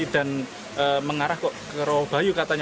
dan mengarah ke rowo bayu katanya